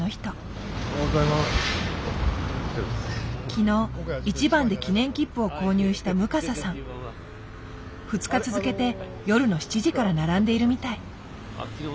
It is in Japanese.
昨日１番で記念切符を購入した２日続けて夜の７時から並んでいるみたい。